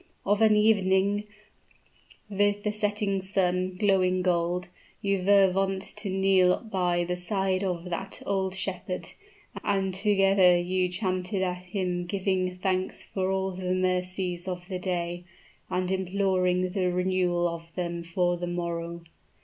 Of an evening, with the setting sun, glowing gold, you were wont to kneel by the side of that old shepherd; and together ye chanted a hymn giving thanks for the mercies of the day, and imploring the renewal of them for the morrow.